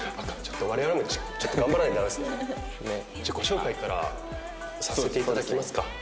自己紹介からさせて頂きますか。